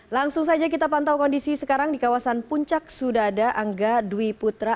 langsung saja kita pantau kondisi sekarang di kawasan puncak sudah ada angga dwi putra